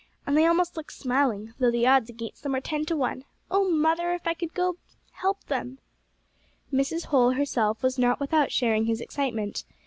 and they almost look smiling, though the odds against them are ten to one. O mother, if I could but go to help them!" Mrs. Holl herself was not without sharing his excitement.